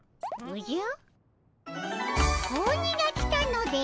おじゃ？